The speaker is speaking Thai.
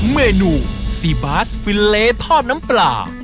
เมนูซีบาสฟิลเลทอดน้ำปลา